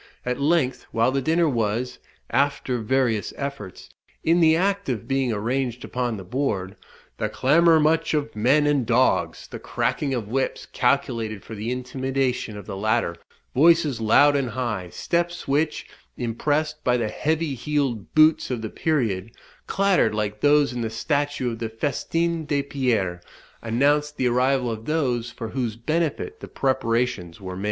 At length, while the dinner was, after various efforts, in the act of being arranged upon the board, "the clamour much of men and dogs," the cracking of whips, calculated for the intimidation of the latter, voices loud and high, steps which, impressed by the heavy heeled boots of the period, clattered like those in the statue of the Festin de Pierre,* announced the arrival of those for whose benefit the preparations were made.